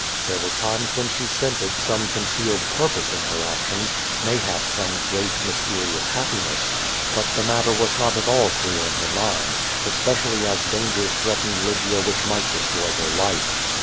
There were times when she scented some concealed purpose in her actions, mayhap some great, mysterious happiness; but the matter was not at all clear in her mind, especially as dangers threatened Lygia which might destroy her life.